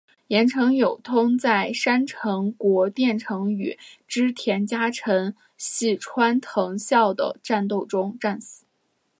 岩成友通在山城国淀城与织田家臣细川藤孝的战斗中战死。